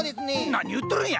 何を言っとるんや！